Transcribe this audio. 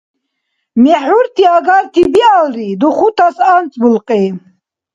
МехӀурти агарти биалри, духутас анцӀбулкьи.